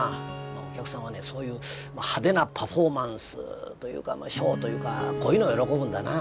お客さんはねそういう派手なパフォーマンスというかショーというかこういうのを喜ぶんだな。